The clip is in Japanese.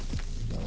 ああ！